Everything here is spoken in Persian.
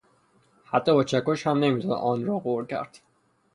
حتی با چکش هم نمیتوان آن را غر کرد.